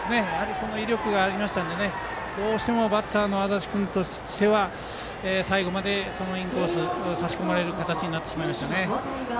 その威力がありましたのでどうしてもバッターの安達君としては最後までそのインコース差し込まれる形になってしまいましたね。